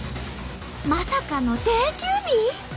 まさかの定休日！？